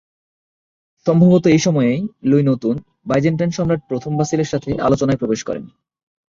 সম্ভবত এই সময়েই লুই নতুন বাইজেন্টাইন সম্রাট প্রথম বাসিল এর সাথে আলোচনায় প্রবেশ করেন।